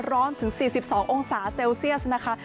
ถึง๔๒องศาเซลเซียสนะคะ